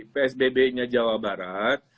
psbb nya jawa barat